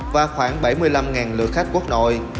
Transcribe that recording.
và khoảng bảy mươi năm lượt khách quốc nội